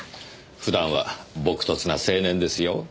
普段は朴訥な青年ですよ。